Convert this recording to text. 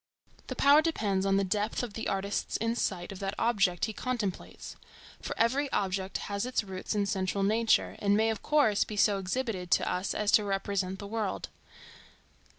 The power depends on the depth of the artist's insight of that object he contemplates. For every object has its roots in central nature, and may of course be so exhibited to us as to represent the world.